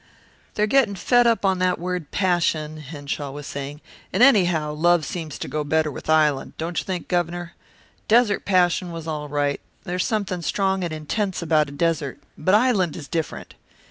"They're getting fed up on that word 'passion,'" Henshaw was saying, "and anyhow, 'love' seems to go better with 'island,' don't you think, Governor? 'Desert Passion' was all right there's something strong and intense about a desert. But 'island' is different."